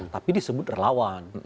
tapi disebut relawan